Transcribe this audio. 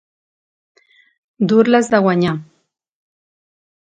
Dur les de guanyar.